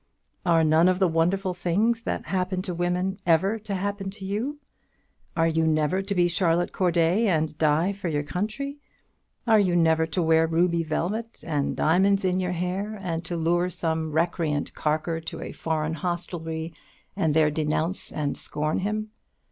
Are none of the wonderful things that happen to women ever to happen to you? Are you never to be Charlotte Corday, and die for your country? Are you never to wear ruby velvet, and diamonds in your hair, and to lure some recreant Carker to a foreign hostelry, and there denounce and scorn him?